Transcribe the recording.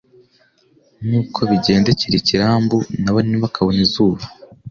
nk’uko bigendekera ikirambu na bo ntibakabone izuba